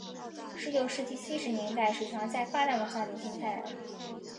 十九世纪七十年代水床在发达国家流行开来。